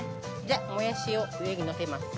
もやしを上にのせます。